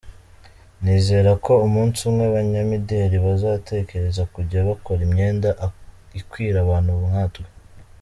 Nizera ko umunsi umwe abanyamideri bazatekereza kujya bakora imyenda ikwira abantu nkatwe.